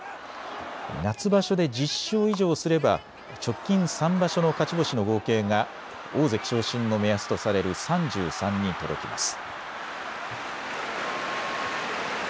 夏場所で１０勝以上すれば直近３場所の勝ち星の合計が大関昇進の目安とされる３３に届きます。